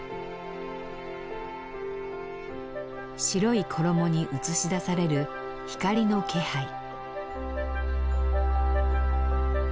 白い衣に映し出される光の気配。